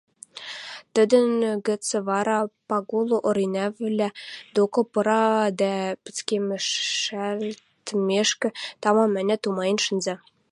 Тидӹн гӹц вара Пагул Оринӓвлӓ докы пыра дӓ, пӹцкемӹшӓлтмешкӹ, тамам-ӓнят тумаен шӹнзӓ.